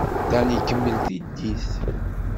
Dan ikemmel tiddit.